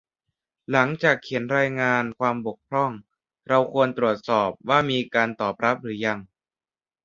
หลังจากเขียนรายงานความบกพร่อง เราควรตรวจสอบว่ามีการตอบรับหรือยัง